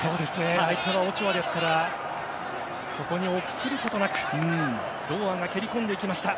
相手はオチョアですがそこに臆することなく堂安が蹴り込んでいきました。